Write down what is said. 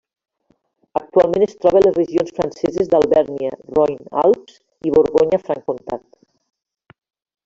Actualment es troba a les regions franceses d'Alvèrnia-Roine-Alps i Borgonya-Franc Comtat.